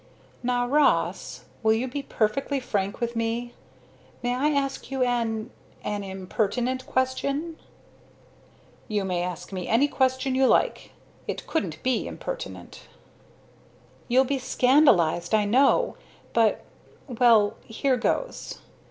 "Now, Ross, will you be perfectly frank with me? May I ask you an an impertinent question?" "You may ask me any question you like; it couldn't be impertinent." "You'll be scandalised, I know but well, here goes.